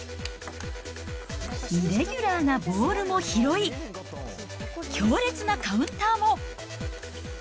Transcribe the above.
イレギュラーなボールも拾い、強烈なカウンターも。